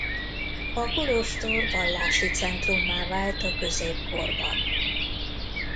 A kolostor vallási centrummá vált a középkorban.